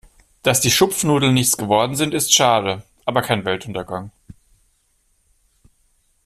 Dass die Schupfnudeln nichts geworden sind, ist schade, aber kein Weltuntergang.